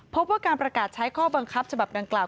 พบว่าการประกาศใช้ข้อบังคับฉบับดังกล่าว